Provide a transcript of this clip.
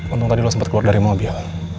untung tadi lo sempat keluar dari mobil